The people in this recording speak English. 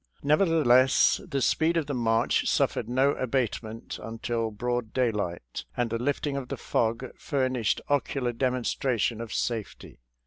Nevertheless, the speed of the march suffered no abatement until broad daylight, and the lifting of the fog furnished ocular demonstration of safety.